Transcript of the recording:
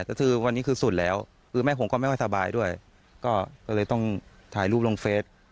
แต่คือวันนี้คือสุดแล้วคือแม่ผมก็ไม่ค่อยสบายด้วยก็เลยต้องถ่ายรูปลงเฟส